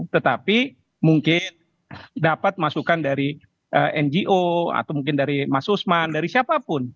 tetapi mungkin dapat masukan dari ngo atau mungkin dari mas usman dari siapapun